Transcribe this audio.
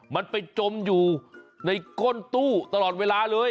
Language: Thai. มันไปจมอยู่ในก้นตู้ตลอดเวลาเลย